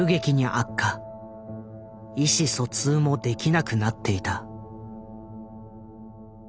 意思疎通もできなくなっていた。